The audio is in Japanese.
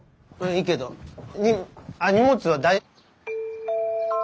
いいけどに荷物は大。